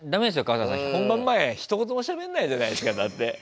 春日さん本番前ひと言もしゃべんないじゃないですかだって。